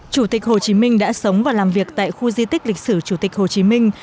chủ tịch hồ chí minh đã sống và làm việc tại khu di tích lịch sử chủ tịch hồ chí minh